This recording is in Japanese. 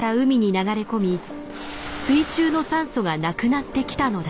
水中の酸素がなくなってきたのだ。